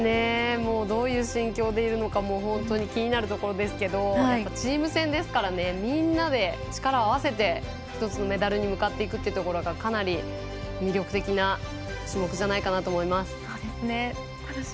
どういう心境でいるのか気になるところですけどチーム戦ですからみんなで力を合わせて１つのメダルに向かっていくというところがかなり魅力的な種目じゃないかなと思います。